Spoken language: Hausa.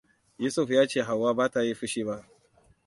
Yusuf ya ce Hauwa ba ta yi fushi ba.